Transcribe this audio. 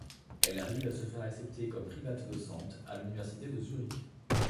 Elle arrive à se faire accepter comme privat-docent à l'Université de Zurich.